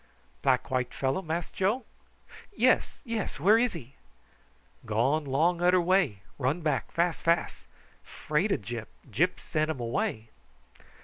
"Black white fellow, Mass Joe?" "Yes, yes, where is he?" "Gone 'long uder way. Run back fas fas. Fraid o Gyp, Gyp send um way."